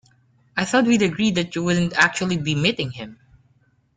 I thought we'd agreed that you wouldn't actually be meeting him?